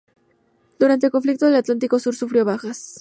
Durante el conflicto del Atlántico Sur sufrió bajas.